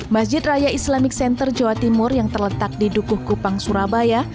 masjid raya islamic center jawa timur yang terletak di dukuh kupang surabaya